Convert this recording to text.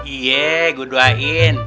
iya gua doain